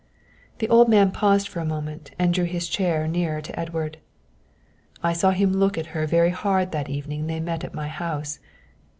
The old man paused for a moment and drew his chair nearer to Edward. "I saw him look at her very hard that evening they met at my house.